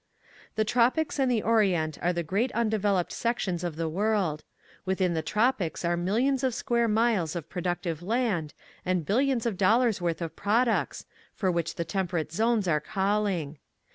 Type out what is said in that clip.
The tropics and the orient are the great undeveloped sections of the world. Within the tropics are millions of square miles of productive land and billions of dollars' worth of products, for which the tem perate zones are calling.